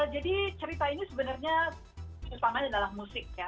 jadi cerita ini sebenarnya utamanya adalah musik ya